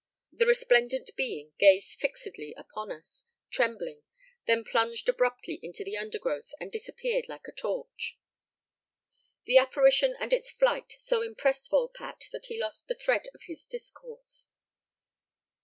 The resplendent being gazed fixedly upon us, trembling, then plunged abruptly into the undergrowth and disappeared like a torch. The apparition and its flight so impressed Volpatte that he lost the thread of his discourse.